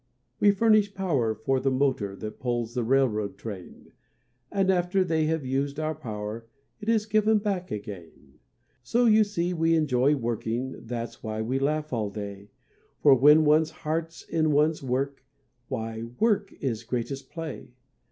We furnish power for the motor That pulls the railroad train; And after they have used our power, It is given back again. So you see we enjoy working, That's why we laugh all day, For when one's heart is in one's work, Why! work is greatest play!